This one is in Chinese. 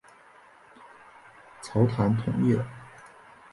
郑覃同意了。